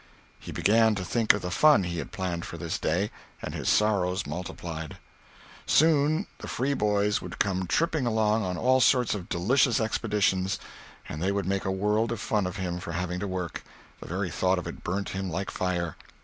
He began to think of the fun he had planned for this day, and his sorrows multiplied. Soon the free boys would come tripping along on all sorts of delicious expeditions, and they would make a world of fun of him for having to work—the very thought of it burnt him like fire.